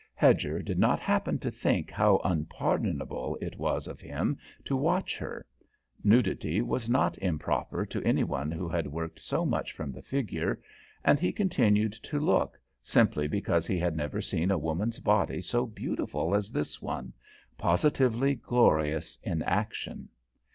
Hedger did not happen to think how unpardonable it was of him to watch her. Nudity was not improper to any one who had worked so much from the figure, and he continued to look, simply because he had never seen a woman's body so beautiful as this one, positively glorious in action.